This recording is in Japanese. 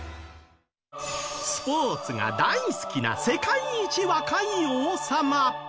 スポーツが大好きな世界一若い王様。